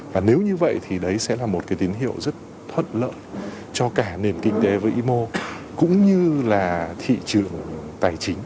và nếu như vậy thì đấy sẽ là một cái tín hiệu rất thuận lợi cho cả nền kinh tế với imo cũng như là thị trường tài chính